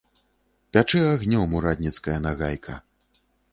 Пячэ агнём урадніцкая нагайка.